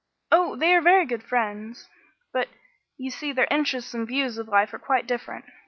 "Oh, they are very good friends, but you see, their interests and views of life are quite different.